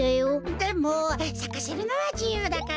でもさかせるのはじゆうだから。